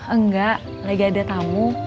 enggak lagi ada tamu